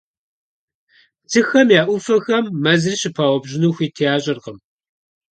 Псыхэм я Ӏуфэхэм мэзыр щыпаупщӀыну хуит ящӀыркъым.